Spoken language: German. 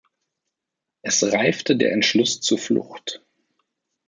Es reifte der Entschluss zur Flucht.